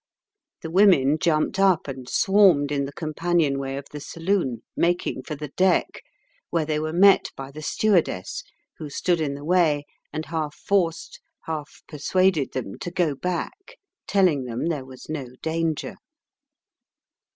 The women jumped up and swarmed in the companion way of the saloon, making for the deck, where they were met by the stewardess, who stood in the way, and half forced, half persuaded them to go back, telling them there was no danger.